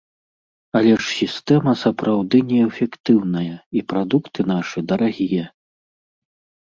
Але ж сістэма сапраўды неэфектыўная, і прадукты нашы дарагія.